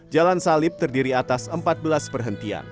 jalan salib terdiri atas empat belas perhentian